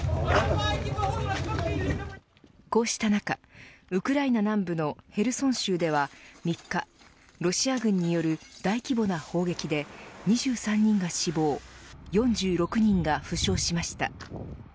こうした中、ウクライナ南部のヘルソン州では３日、ロシア軍による大規模な砲撃で２３人が死亡４６人が負傷しました。